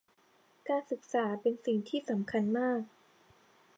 การศึกษาเป็นสิ่งสำคัญมาก